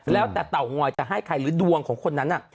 แล้วแต่เตางอยจะให้ใครหรือดวงของคนนั้น